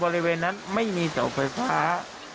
บริเวณนั้นมีส่อไฟฟ้า